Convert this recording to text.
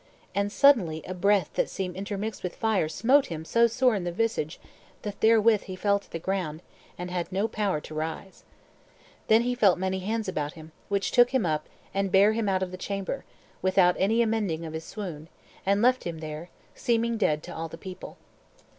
And suddenly a breath that seemed intermixed with fire smote him so sore in the visage that therewith he fell to the ground, and had no power to rise. Then felt he many hands about him, which took him up and bare him out of the chamber, without any amending of his swoon, and left him there, seeming dead to all the people.